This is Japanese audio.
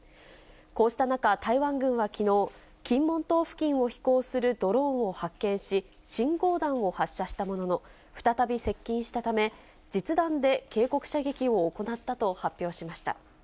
こうした中、台湾軍はきのう、金門島付近を飛行するドローンを発見し、信号弾を発射したものの、再び接近したため、実弾で警告射撃を行ったと発表しました。